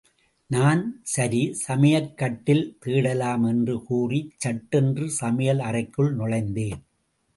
நான், சரி சமையற் கட்டில் தேடலாம் என்று கூறிச் சட்டென்று சமையல் அறைக்குள் நுழைந்தேன்.